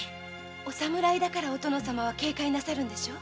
お侍だからお殿様は警戒なさるんでしょ？